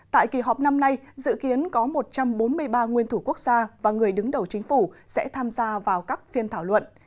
tại kỳ họp năm nay dự kiến có một trăm bốn mươi ba nguyên thủ quốc gia và người đứng đầu chính phủ sẽ tham gia vào các phiên thảo luận